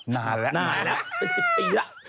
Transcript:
นานแล้วเป็น๑๐ปีแล้ว